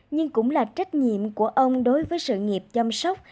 nhưng cũng là trách nhiệm của ông đối với sự nghiệp chăm sóc